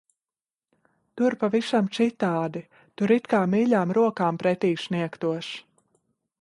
Tur pavisam citādi. Tur it kā mīļām rokām pretī sniegtos.